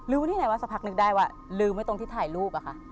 ที่ไหนว่าสักพักนึกได้ว่าลืมไว้ตรงที่ถ่ายรูปอะค่ะ